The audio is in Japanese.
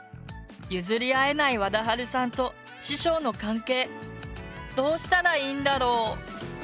譲り合えないわだはるさんと師匠の関係どうしたらいいんだろう？